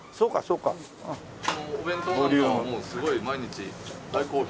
お弁当なんかはもうすごい毎日大好評。